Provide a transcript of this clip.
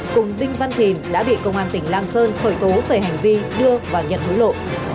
cùng đinh văn thìn đã bị công an tỉnh lạng sơn khởi tố về hành vi đưa và nhận hối lộ